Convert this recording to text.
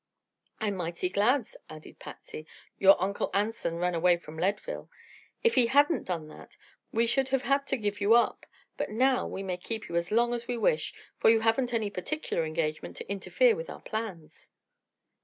"I'm mighty glad," added Patsy, "your Uncle Anson ran away from Leadville. If he hadn't done that we should have had to give you up; but now we may keep you as long as we wish, for you haven't any particular engagement to interfere with our plans."